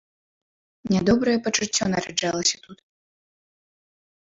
Нядобрае пачуццё нараджалася тут.